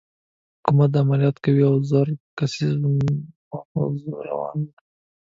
حکومت عملیات کوي او زر کسیزه مفروزه راروانه ده.